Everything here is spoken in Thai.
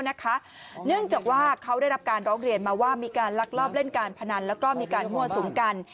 เนื่องจากว่าเขาได้รับการร้องเรียนมาว่ามีการลักลอบเล่นการพนันแล้วก็มีการมั่วสุมกัน